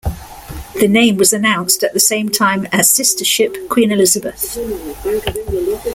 The name was announced at the same time as sister ship "Queen Elizabeth".